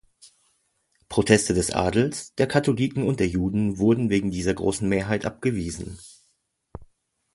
Proteste des Adels, der Katholiken und der Juden wurden wegen dieser großen Mehrheit abgewiesen.